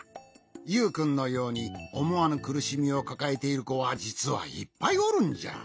ユウくんのようにおもわぬくるしみをかかえているこはじつはいっぱいおるんじゃ。